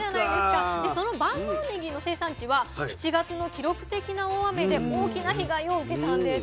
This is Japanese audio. でその万能ねぎの生産地は７月の記録的な大雨で大きな被害を受けたんです。